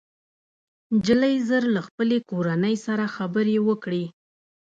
نجلۍ ژر له خپلې کورنۍ سره خبرې وکړې